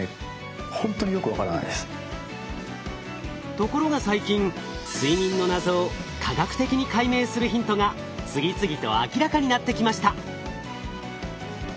ところが最近睡眠の謎を科学的に解明するヒントが次々と明らかになってきました。